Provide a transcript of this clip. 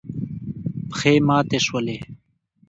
پښې ماتې شولې.